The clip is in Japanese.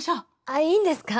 あっいいんですか？